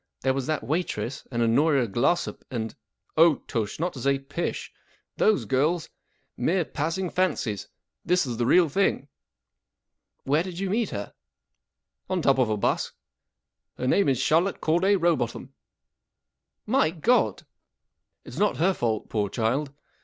There was that waitress and Honoria Glossop and " 44 Oh, tush ! Not to say pish ! Those girls ? Mere passing fancies. This is the real thing." 4 ' Where did you meet her ?" 44 On top of a bus. Her name is Charlotte Cordav Row botham. " 44 MV God !" 44 It's not her fault, poor child.